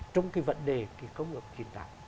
trong cái vấn đề công nghiệp hiện tại